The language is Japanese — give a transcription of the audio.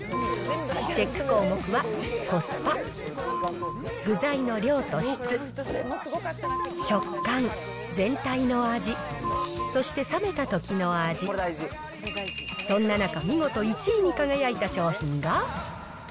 チェック項目は、コスパ、具材の量と質、食感、全体の味、そして冷めたときの味、そんな中、見事１位に輝いた商品が。